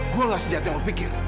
saya tidak sejati memikir